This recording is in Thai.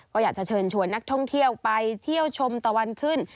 ก็อยากจะเชิญชวนนักท่องเที่ยวไปเที่ยวชมตะวันขึ้น